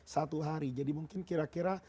satu hari jadi mungkin kira kira